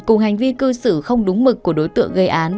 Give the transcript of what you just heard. cùng hành vi cư xử không đúng mực của đối tượng gây án